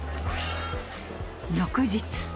翌日。